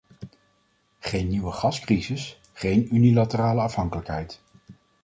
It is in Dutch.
Geen nieuwe gascrisis, geen unilaterale afhankelijkheid.